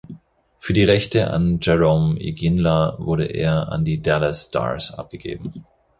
Für die Rechte an Jarome Iginla wurde er an die Dallas Stars abgegeben.